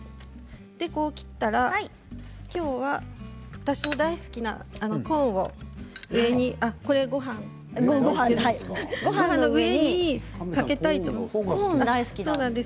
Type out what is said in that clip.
こう切ったらきょうは私の大好きなコーンをごはんの上にかけたいと思います。